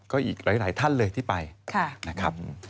ก็อีกหลายท่านเลยที่ไปนะครับ